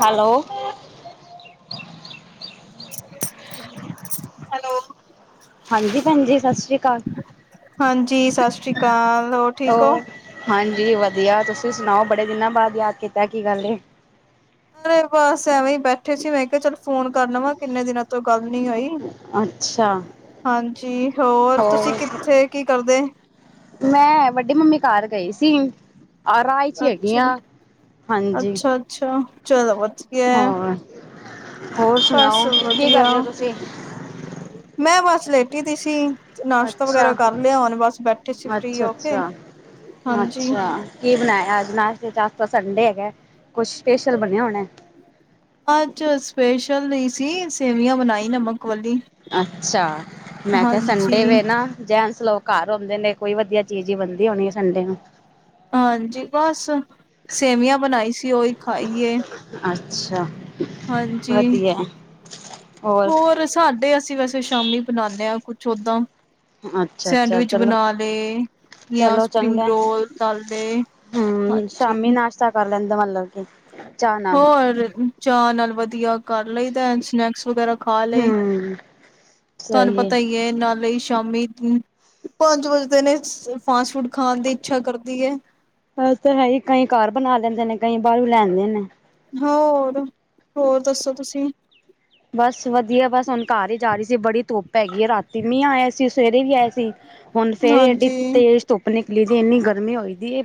Hello. Hello. ਹਾਂ ਜੀ ਭੈਣ ਜੀ ਸਤਿ ਸ੍ਰੀ ਅਕਾਲ। ਹਾਂ ਜੀ ਸਤਿ ਸ੍ਰੀ ਅਕਾਲ ਹੋਰ ਠੀਕ ਹੋ । ਵਧੀਆ ਤੁਸੀਂ ਸੁਣਾਓ ਬੜੇ ਦਿਨਾਂ ਬਾਅਦ ਯਾਦ ਕੀਤਾ ਕੀ ਗੱਲ ਏ। ਮਰੇ ਬਸ ਐਵੇਂ ਹੀ ਬੈਠੇ ਸੀ । ਮੈਂ ਕਿਹਾ ਚੱਲ ਫੋਨ ਕਰ ਲਵਾਂ ਕਿੰਨੇ ਦਿਨਾਂ ਤੋਂ ਗੱਲ । ਹੋਈ ਅੱਛਾ ਹਾਂ ਜੀ ਹੋਰ ਤੁਸੀਂ ਕਿੱਥੇ ਕੀ ਕਰਦੇ । ਮੈਂ ਵੱਡੀ ਮੰਮੀ ਘਰ ਗਈ ਸੀ। ਆ ਰਾਹ ਵਿੱਚ ਹੈਗੇ ਅੱਛਾ, ਆਂ ਹਾਂਜੀ। ਅੱਛਾ, ਅੱਛਾ ਚਲੋ। ਕੀ ਹੋਇਆ? ਹੋਰ ਹੋਰ ਸੁਣਾਓ ਕੀ ਕਰ ਰਹੇ ਹੋ ਤੁਸੀਂ? ਮੈਂ ਬਸ ਲੇਟੀ ਦੀ ਸੀ। ਨਾਸ਼ਤਾ ਵਗੈਰਾ ਅੱਛਾ ਕਰ ਲਿਆ ਹੁਣ ਬਸ ਬੈਠੇ ਸੀ ਫ੍ਰਰੀ ਅੱਛਾ ਹੋ ਕੇ ਅੱਛਾ ਹਾਂਜੀ। ਜ ਆਸ ਪਾਸ ਅੰਡੇ ਹੈਗਾ। ਕੁਝ ਸਪੈਸ਼ਲ ਬਣਿਆ ਹੋਣਾ। ਅੱਜ ਸਪੈਸ਼ਲ ਨਹੀਂ ਸੀ ਸੇਵੀਆਂ ਬਣਾਈ ਨਮਕ । ਅੱਛਾ ਮੈਂ ਕਿਹਾ ਹਾਂਜੀ, ਸੰਡੇ ਵੇ ਨਾ ਜ । ਲੋਕ ਘਰ ਆਉਂਦੇ ਨੇ ਕੋਈ ਵਧੀਆ ਚੀਜ਼ ਹੀ ਬਣਦੀ ਹੋਣੀ ਹੈ ਸੰਡੇ ਨੂੰ। ਹਾਂਜੀ ਬਸ ਸੇਵੀਆਂ ਬਣਾਈ ਸੀ ਉਹੀ ਖਾਈ ਏ। ਅੱਛਾ। ਹਾਂਜੀ ਵਧੀਆ ਹੋਰ ਸਾਡੇ ਅਸੀਂ ਵੈਸੇ । ਫੇਰ ਸ਼ਾਮੀ ਬਣਾਉਂਦੇ ਹਾਂ ਕੁਝ ਓਦਾਂ। ਅੱਛਾ ਅੱਛਾ ਸੈਂਡਵਿੱਚ ਚਲੋ ਬਣਾ ਲਏ ਯਾ ਚਲੋ ਸਪਰਿੰਗ ਚੰਗਾ ਰੋਲ ਤਲ ਲਏ ਹਾਂ ਹਮ ਸ਼ਾਮੀ ਜੀ। [inaudible] ਹੋਰ ਚਾਹ ਨਾਲ ਵਧੀਆ। ਕਰ ਲਈ ਦਾ ਸਨੈਕਸ ਵਗੈਰਾ । ਖਾ ਲਏ। ਹਮ ਤੁਹਾਨੂੰ ਸਹੀ ਹੈ ਪਤਾ ਹੀ ਨਾਲੇ । ਸ਼ਾਮੀ ਪੰਜ ਵਜਦੇ ਨੇ । ਫਾਸਟ ਫੂਡ ਖਾਣ ਦੀ ਇੱਛਾ ਕਰਦੀ ਹੈ। ਤਾਂ ਹੈ ਹੀ। ਕਈ ਘਰ ਬਣਾ ਲੈਂਦੇ ਨੇ, ਕਈ । ਬਾਹਰੋ ਲੈ ਆਉਂਦੇ ਨੇ। ਹੋਰ ਹੋਰ ਦੱਸੋ ਤੁਸੀਂ । ਬਸ ਵਧੀਆ। ਬਸ ਹੁਣ ਘਰ ਹੀ ਜਾ ਰਹੀ ਸੀ। ਬੜੀ ਧੁੱਪ ਹੈਗੀ ਏ। ਰਾਤੀ ਮੀਂਹ ਆਇਆ ਸੀ । ਸਵੇਰੇ ਵੀ ਆਇਆ ਸੀ। ਹੁਣ ਫੇਰ ਐਡੀ ਹਾਂਜੀ ਤੇਜ਼ ਧੁੱਪ ਨਿਕਲੀ । ਇੰਨੀ ਗਰਮੀ ਹੋਈ ਦੀ ਏ।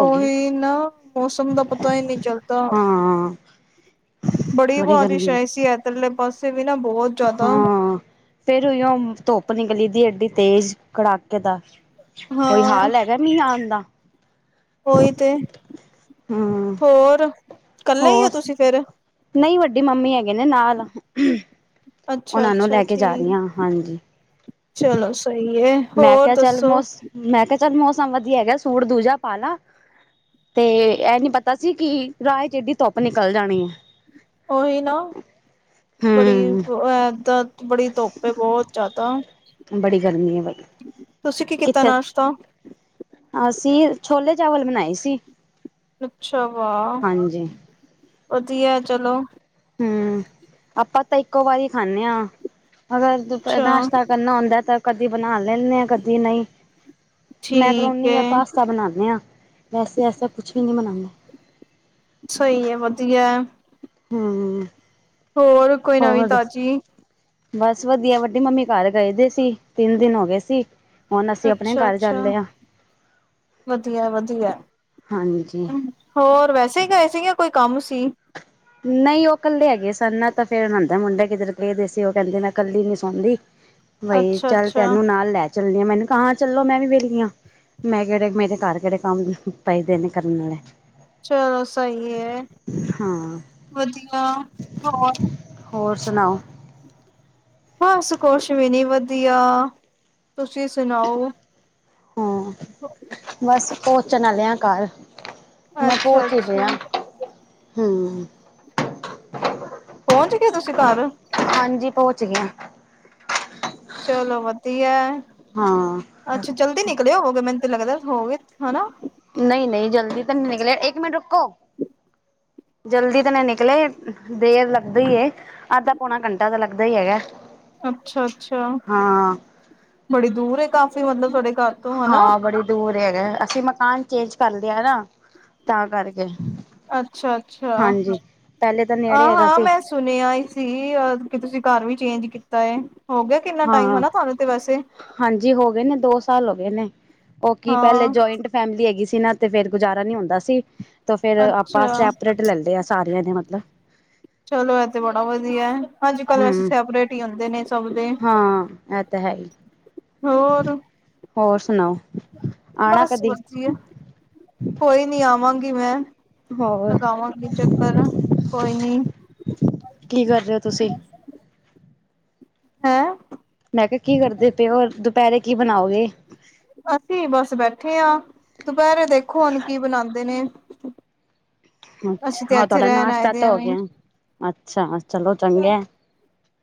ਔ ਹੀ ਨਾ, ਮੌਸਮ ਦਾ ਪਤਾ ਹੀ ਨਹੀਂ ਚੱਲਦਾ। ਹਾਂ, ਬੜੀ ਬਾਰਿਸ਼ ਆਈ ਸੀ ਇ ਧਰਲੇ ਪਾਸੇ। ਵੀ ਨਾ ਬਹੁਤ ਜ਼ਿਆਦਾ ਹਾਂ, ਫੇਰ ਉਹੀਓ ਧੁੱਪ ਆਪਣੀ ਗਲੀ ਦੀ ਐਡੀ ਤੇਜ਼, ਕੜਾਕੇ ਦਾ ਕੋਈ ਹਾਂ ਹਾਲ ਹੈਗਾ ਮੀਂਹ ਆਣ ਦਾ। ਉਹੀ ਤੇ। ਹੂੰ, ਹੋਰ? ਕੱਲੇ ਹੀ ਓ ਹੋਰ ਤੁਸੀਂ ਫੇਰ? ਨਹੀਂ ਵੱਡੀ ਮੰਮੀ ਹੈਗੇ ਨੇ ਨਾਲ ਅੱਛਾ ਉਹਨਾਂ ਨੂੰ ਅੱਛਾ ਲੈ ਕੇ ਜਾ ਰਹੀ ਠੀਕ ਹਾ, ਹਾਂਜੀ। ਚਲੋ ਸਹੀ ਹੈ। ਮੈਂ ਹੋਰ ਕਿਹਾ ਚੱਲ ਦੱਸੋ? ਮੌਸ ਮੈਂ ਕਿਹਾ ਚੱਲ, ਮੌਸਮ ਵਧੀਆ ਹੈਗਾ। ਸੂਟ ਦੂਜਾ ਪਾ ਲਾ, ਤੇ ਇਹ ਨੀ ਪਤਾ ਸੀ ਕਿ ਰਾਹ ਚ ਏਡੀ ਧੋਪ ਨਿਕਲ ਜਾਣੀ ਏ। ਉਹੀ ਨਾ, ਬੜੀ ਇ ਹੂੰ, ਏਦਾਂ ਬੜੀ ਧੁੱਪ ਏ, ਬਹੁਤ ਜਾਦਾ। ਬੜੀ ਗਰਮੀ ਹੈ ਬਾਈ। ਤੁਸੀਂ ਕੀ ਕੀਤਾ ਕਿੱਥੇ ਨਾਸ਼ਤਾ ਅ ਸੀ ਛੋਲੇ-ਚਾਵਲ ਬਣਾਏ ਸੀ। ਅੱਛਾ, ਵਾਹ। ਹਾਂਜੀ। ਵਧੀਆ ਚਲੋ। ਹੂੰ। ਆਪਾਂ ਤਾਂ ਇੱਕੋ ਵਾਰੀ ਖਾਨੇ ਆ। ਅਗਰ ਅੱਛਾ ਨਾਸ਼ਤਾ ਕਰਨਾ ਹੁੰਦਾ ਤਾਂ ਕਦੀ ਬਣਾ ਲੈਂਨੇ ਆ, ਕਦੀ ਨਹੀਂ। ਠੀਕ ਮੈਕਰੋਨੀ ਹੈ ਯਾ ਪਾਸਤਾ ਬਣਾਨੇ ਆ, ਵੈਸੇ ਐਸਾ ਕੁਛ ਵੀ ਨਹੀਂ ਬਨਾਨੇ। ਸਹੀ ਹੈ, ਵਧੀਆ। ਹੂੰ। ਹੋਰ ਕੋਈ ਨਵੀਂ ਹੋਰ ਦੱਸੋ? ਤਾਜ਼ੀ? ਬਸ ਵਧੀਆ, ਵੱਡੀ ਮੰਮੀ ਘਰ ਗਏ ਦੇ ਸੀ, ਤਿੰਨ ਦਿਨ ਹੋ ਗਏ ਸੀ। ਹੁਣ ਅਸੀਂ ਆਪਣੇ ਅੱਛਾ ਘਰ ਅੱਛਾ, ਜਾਂਦੇ ਆ ਵਧੀਆ ਵਧੀਆ, ਹਾਂਜੀ। ਹੋਰ ਵੈਸੇ ਗਏ ਸੀਗੇ। ਕੋਈ ਕੰਮ ਸੀ। ਨਹੀਂ ਉਹ ਇਕੱਲੇ ਹੈਗੇ ਸਨ ਨਾ ਤਾਂ ਫੇਰ ਉਹਦਾ ਮੁੰਡਾ ਕਿਧਰ ਕਦੇ ਸੀ ਉਹ ਕਹਿੰਦੇ ਨਾ ਕੱਲੀ ਨੀ ਸੌਂਦੀ ਬਈ ਅੱਛਾ ਚੱਲ ਅੱਛਾ ਤੈਨੂੰ ਨਾਲ ਲੈ ਚੱਲਦੀ ਮੈਨੂੰ ਕਾਂ ਚੱਲੋ ਮੈਂ ਵੀ ਵਿਹਲ ਗ ਮੈਂ ਕਿਹੜੇ ਮੇਰੇ ਘਰ ਕਿਹੜੇ ਕੰਮ ਪੈਸਦੇ ਨੇ ਕਰਨ ਵਾਲੇ ਚਲੋ ਸਹੀ ਹੈ, ਹਾਂ। ਵਧੀਆ ਹੋਰ ਹੋਰ ਸੁਣਾਓ ਬਸ ਕੁਛ ਵੀ ਨੀ ਵਧੀਆ, ਤੁਸੀਂ ਸੁਣਾਓ? ਹਾਂ ਬਸ ਪਹੁੰਚਣ ਆਲੇ ਆ ਘਰ ਮੈਂ ਪਹੁੰਚ ਹੀ ਗਿਆ ਅੱਛਾ-ਅੱਛਾ, ਹੂੰ, [unintelligible] ਪਹੁੰਚ ਗਏ ਤੁਸੀਂ ਘਰ ਹਾਂਜੀ ਪਹੁੰਚ ਗਿਆ। ਚਲੋ ਵਧੀਆ, ਹਾਂ, ਹੋ ਮੈਂਨੂੰ ਲਗਦਾ ਹੋਗੇ ਹਨਾ। ਨਹੀਂ ਨਹੀਂ ਜਲਦੀ ਤਾਂ ਨਹੀਂ ਨਿਕਲਿਆ ਇੱਕ ਮਿੰਟ ਰ ਜਲਦੀ ਤਾਂ ਨੇ ਨਿਕਲੇ ਦੇਰ ਲੱਗਦਾ ਹੀ ਅੱਧਾ ਪੌਣਾ ਘੰਟਾ ਤਾਂ ਲੱਗਦਾ ਹੀ ਹੈਗਾ। ਅੱਛਾ ਅੱਛਾ, ਹਾਂ। ਬੜੀ ਦੂਰ ਕਾਫ਼ੀ ਮਤਲਬ ਤੁਹਾਡੇ ਘਰ ਤੋਂ ਹਨਾ? ਹਾਂ ਬੜੀ ਦੂਰ ਹੈਗਾ ਅਸੀਂ ਮਕਾਨ ਚੇਂਜ ਕਰ ਲਿਆ ਨਾ ਤਾਂ ਕਰਕੇ, ਅੱਛਾ ਅੱਛਾ, ਹਾਂਜੀ ਪਹਿਲੇ ਤਾਂ ਨੇੜੇ ਆਹ ਹੈਗਾ ਹਾਂ ਸੀ ਮੈਂ ਸੁਣਿਆ ਹੀ ਸੀ ਕਿ ਤੁਸੀਂ ਘਰ ਵੀ ਚੇਂਜ [unintelligible] ਕਿੰਨਾ ਟਾਈਮ ਹਾਂ ਹਨਾ ਤੁਹਾਨੂੰ ਤੇ ਵੈਸੇ, ਹਾਂਜੀ ਹੋ ਗਏ ਨੇ ਦੋਸਤ ਸਾਲ ਹੋ ਗਏ ਨੇ, ਉਹ ਕੀ ਪਹਿਲੇ ਹਾਂ ਜੁਆਇੰਟ ਫੈਮਿਲੀ ਹੈਗੀ ਸੀ। ਨਾ ਤੇ ਫੇਰ ਗੁਜ਼ਾਰਾ ਨੀ ਹੁੰਦਾ ਸੀ। ਤੇ ਫੇਰ ਆਪਾਂ ਅੱਛਾ। ਸੈਪਰੇਟ ਲੈਦੇ ਆ ਸਾਰੀਆਂ ਦੇ ਮਤਲਬ ਚਲੋ ਇਹ ਤੇ ਬੜਾ ਵਧੀਆ, ਹਾਂਜੀ ਕੱਲ ਵੈਸੇ ਹਮ ਸੈਪਰੇਟ ਹੀ ਹੁੰਦੇ ਨੇ ਸਭ ਦੇ ਹਾਂ ਇਹ ਤਾਂ ਹੈ ਹੀ ਹੋਰ, ਹੋਰ ਸੁਣਾਓ? ਆਣਾ ਬਸ ਕਦੀ ਵਧੀਆ ਕੋਈ ਨੀ ਆਵਾਂਗੀ ਮੈਂ ਹੋਰ ਲਗਾਵਾਂਗੀ ਚੱਕਰ ਕੋਈ ਨੀ ਕੀ ਕਰ ਰ ਹੋ ਤੁਸੀਂ? ਹੈਂ। ਮੈਂ ਕਿਹਾ ਕੀ ਕਰਦੇ ਪਏ ਹੋ? ਤੁਪਹਿਰੇ ਕੀ ਬਣਾਓਗੇ। ਅਸੀਂ ਬਸ ਬੈਠੇ ਹਾਂ ਦੁਪਹਿਰੇ ਦੇਖੋ ਹੁਣ ਕੀ ਬਣਾਉਂਦੇ ਨੇ। ਅਸੀਂ ਅੱਛਾ ਤੇ ਹਾਂ ਇੱਥੇ ਤੁਹਾਡਾ ਰਹਿਣ ਆਏ ਨਾਸ਼ਤਾ ਦੇ ਤਾਂ ਹੋ ਐਵੇਂ ਗਿਆ। ਅੱਛਾ ਚਲੋ। ਚੰਗੇ।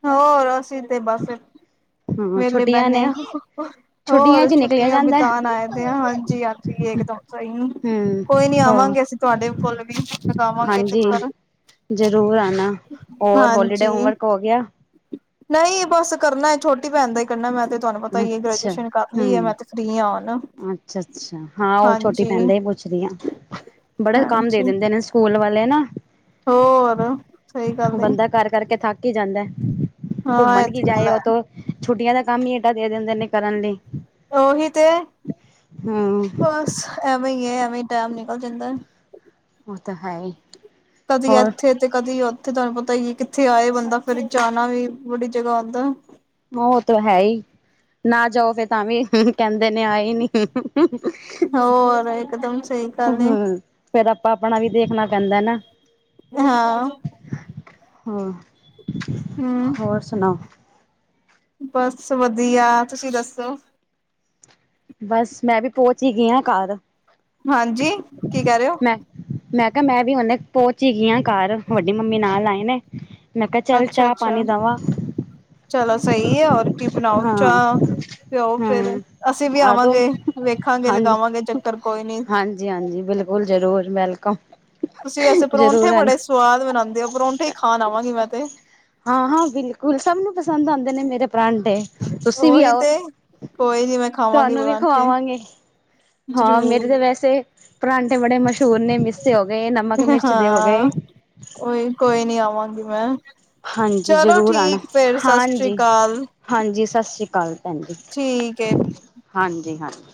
ਹੋਰ ਅਸੀ ਤੇ ਬਸ। ਹੂੰ ਵੇਲੇ ਛੁੱਟੀਆਂ ਬਹਨੇ ਨੇ ਹ ਛੁੱਟੀਆਂ ਹੋਰ ਚ ਨਿਕਲਿਆ ਛੁੱਟੀਆਂ ਜਾਂਦਾ ਬਿਤਾਨ ਆਏ ਦੇ ਹ ਹਾਂਜੀ ਯਤਰੀਏ ਦਮ ਹੂੰ ਕੋਈ ਨੀ ਹੋਰ ਆਵਾਂਗੇ ਅਸੀਂ ਤੁਹਾਡੇ ਕੋਲ। ਵੀ ਲਗਾਵਾਂਗੇ ਹਾਂਜੀ ਚੱਕਰ ਜ਼ਰੂਰ ਆਣਾ ਹੋਰ ਹੋਲੀਡੇ ਹਾਂਜੀ ਹੋਮਵਰਕ ਹੋ ਗਿਆ? ਨਹੀਂ ਬਸ ਕਰਨਾ ਹੈ ਛੋਟਾ ਪੈਂਣ ਦਾ ਕਰਨੇ ਮੇ ਤੇ ਤੇ ਤੁਹਾਨੂੰ ਪਤਾ ਹੀ ਹੈ ਅੱਛਾ ਗ੍ਰੈਜੂਏਸ਼ਨ ਕਰ ਲਈਏ ਮੈਂ ਹੂੰ ਤੇ ਫ੍ਰਰੀ ਹਾਂਣ। ਅੱਛਾ ਅੱਛਾ ਹਾਂ ਉਹ ਛੋਟੀ ਭੈਣ ਦਾ ਹੀ ਪੁੱਛਦੀ ਆ ਬੜਾ ਕੰਮ ਦੇ ਹਾਂਜੀ ਦਿੰਦੇ ਨੇ ਸਕੂਲ ਵਾਲੇ ਨਾ। ਹੋਰ ਸਹੀ ਗੱਲ ਏ ਬੰਦਾ ਕਰ ਕਰਕੇ ਥੱਕ ਹੀ ਜਾਂਦਾ ਹਾਂ ਇਹ ਘੁੰਮਣ ਕੀ ਤੇ ਗੱਲ ਜਾਏ ਉਹ ਹੈ ਤੋਂ। ਛੁੱਟੀਆਂ ਦਾ ਕੰਮ ਹੀ ਏਡਾ ਦੇ ਦਿੰਦੇ ਨੇ ਕਰਨ ਲਈ। ਉਹੀ ਤੇ। ਹੂੰ ਬਸ ਐਵੇਂ ਹੀ ਐਵੇਂ। ਟੇਮ ਨਿਕਲ ਜਾਂਦਾ। ਉਹ ਤਾਂ ਹੇਈ ਕਦੀ ਇੱਥੇ ਤੇ ਕਦੀ ੳ ਥੇ ਤੁਹਾਨੂੰ ਪਤਾ ਹੀ ਹੈ ਕਿੱਥੇ ਆਏ ਬੰਦਾ ਫਿਰ ਜਾਣਾ ਵੀ ਬੱੜੀ ਜਗ੍ਹਾ ਹੁਣ ਦੇ ਉਹ ਤਾਂ ਹੈ ਹੀ ਨਾ ਜਾਓ ਫਿਰ ਤਾਂ ਵੀ ਕਹਿੰਦੇ। ਨੇ ਆਏ ਨੀ ਹੋਰ ਇਕਦਮ ਸਹੀ ਗੱਲ ਏ ਹਮ ਫਿਰ ਆਪ ਆਪਣਾ ਵੀ ਦੇਖਣਾ ਪੈਂਦਾ ਨਾ। ਹਾਂ। ਹਾਂ। ਹਮ ਹੋਰ ਸੁਣਾਓ? ਬਸ ਵਧੀਆ ਤੁਸੀਂ ਦੱਸੋ? ਬਸ ਮੈਂ ਵੀ ਪਹੁੰਚ ਹੀ ਗਈ ਹ ਘਰ। ਹਾਂਜੀ ਕੀ ਕਹ ਰਹੇ ਹੋ? ਮੈਂ ਮੈਂ ਕਿਹਾ ਮੈਂ ਵੀ ਉਹਨੇ ਪਹੁੰਚ ਹੀ ਗਈ ਹਾਂ ਘਰ ਵੱਡੀ ਮੰਮੀ ਨਾਲ ਆਏ ਨੇ। ਮੈਂ ਕਿਹਾ ਚੱਲ ਅੱਛਾ ਚਾਹ ਅੱਛਾ ਪਾਣੀ ਦੇਵਾਂ ਚਲੋ ਸਹੀ ਹੈ ਹੋਰ ਕੀ ਬਣਾਓ ਹਾਂ ਚਾਹ ਪਿਓ ਫਿਰ ਹੂੰ ਅਸੀਂ ਵੀ ਆ ਜਾਓ ਆਵਾਂਗੇ ਵੇਖਾਂਗੇ ਹਾਂਜੀ ਲਗਾਵਾਂਗੇ ਚੱਕਰ ਕੋਈ ਨੀ। ਹਾਂਜੀ ਹਾਂਜੀ ਬਿਲਕੁਲ ਜ਼ਰੂਰ ਵੈਲਕਮ [unintelligible] ਤੁਸੀ ਵੈਸੇ ਪਰੋਠੇ ਜ਼ਰੂਰ ਆਨਾ ਬੜੇ ਸਵਾਦ ਬਣਾਉਂਦੇ ਪਰੋਠੇ ਹੀ ਖਾਣ ਆਵਾਂਗੇ ਮੈਂ ਤੇ ਹਾਂ ਹਾਂ ਬਿਲਕੁਲ ਸਭ ਨੂੰ ਪਸੰਦ ਆਉਂਦੇ ਨੇ ਮੇਰੇ ਪਰਾਂਠੇ ਤੁਸੀਂ ਵੀ ਓਹੀ ਆਓ ਤੇ ਕੋਈ ਨੀ ਮੈਂ ਖਾਵਾਂਗੀ ਤੁਹਾਨੂੰ ਵੀ ਪਰਾਂਠੇ ਖਵਾਵਾਂਗੇ ਹਾਂ ਮੇਰੇ ਤਾਂ ਜ਼ਰੂਰ ਵੈਸੇ ਅੰਡੇ ਬੜੇ ਮਸ਼ਹੂਰ ਨੇ ਹੋ ਗਏ ਨਮਕ ਮਿਰਚ ਦੇ ਹੋ ਗਏ। ਹਾਂ ਉਹੀ ਕੋਈ ਨੀ ਆਵਾਂਗੀ ਮੈਂ ਹਾਂਜੀ ਚਲੋ ਜ਼ਰੂਰ ਆਉਣਾ ਠੀਕ ਫੇਰ ਸਤਿ ਸ੍ਰੀ ਹਾਂਜੀ ਅਕਾਲ -ਹਾਂਜੀ ਸਤਿ ਸ਼੍ਰੀ ਅਕਾਲ। ਹਾਂਜੀ ਠੀਕ ਏ -ਹਾਂਜੀ -ਹਾਂਜੀ-